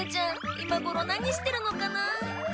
今頃なにしてるのかな。